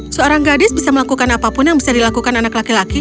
seorang gadis bisa melakukan apapun yang bisa dilakukan anak laki laki